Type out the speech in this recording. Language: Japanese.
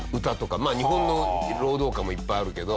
まあ日本の労働歌もいっぱいあるけど。